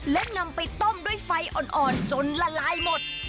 และนำไปต้มด้วยไฟอ่อนจนละลายหมด